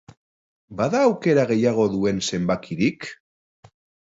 Bada aukera gehiago duen zenbakirik?